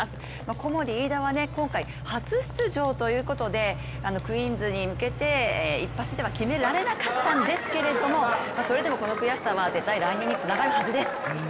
コモディイイダは今回初出場ということでクイーンズに向けて一発では決められなかったんですけどもそれでもこの悔しさは絶対に来年につながるはずです。